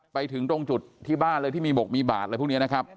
ไปถึงตรงจุดที่บ้านเลยที่มีบกมีบาดอะไรพวกนี้นะครับ